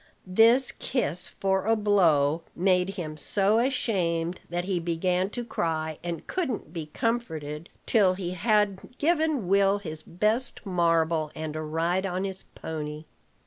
This kiss for a blow made him so ashamed that he began to cry, and couldn't be comforted till he had given Will his best marble and a ride on his pony.